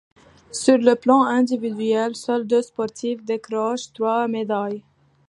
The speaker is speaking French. Sur le plan individuel, seuls deux sportifs décrochent trois médailles.